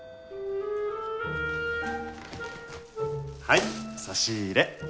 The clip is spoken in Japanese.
はい差し入れ。